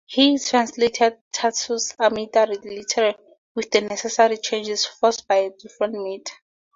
He translated Tasso's "Aminta" literally, with the necessary changes forced by a different meter.